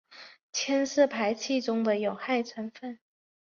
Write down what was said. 铅是排气中的有害成分。